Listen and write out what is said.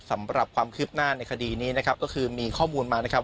สำหรับความคืบหน้าในคดีนี้นะครับก็คือมีข้อมูลมานะครับ